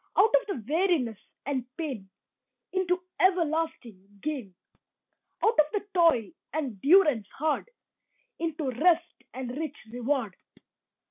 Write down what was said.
Out of the weariness and pain Into everlasting gain. Out of the toil and durance hard Into rest and rich reward.